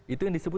itu yang disebut